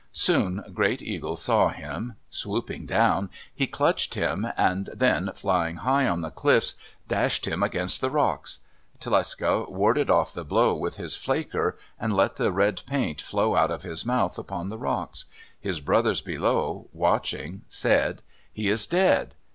Soon Great Eagle saw him. Swooping down, he clutched him, and then, flying high on the cliffs, dashed him against the rocks. Tlecsa warded off the blow with his flaker, and let the red paint flow out of his mouth upon the rocks. His brothers below, watching, said, "He is dead.